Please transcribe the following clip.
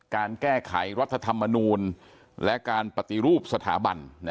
การแก้ไขรัฐธรรมนูลและการปฏิรูปสถาบัน